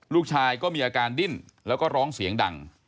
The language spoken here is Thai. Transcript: ลูกชายก็มีอาการดิ้นแล้วก็ร้องเสียงดัง